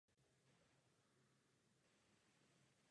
Vzadu je dřevěný kůr.